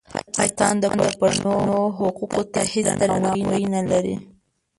پاکستان د پښتنو حقوقو ته هېڅ درناوی نه لري.